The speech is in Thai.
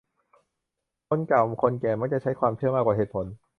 คนเก่าคนแก่มักจะใช้ความเชื่อมากกว่าเหตุผล